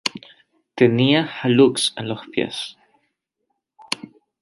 Tenía hallux en los pies.